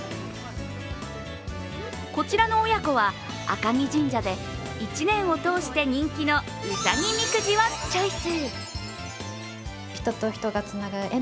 こちらの親子は、赤城神社で１年を通して人気のうさぎみくじをチョイス。